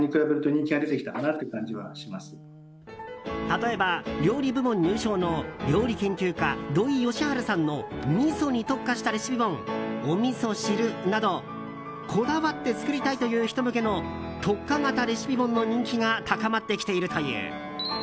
例えば、料理部門入賞の料理研究家・土井善晴さんのみそに特化したレシピ本「お味噌知る。」などこだわって作りたい！という人向けの特化型レシピ本の人気が高まってきているという。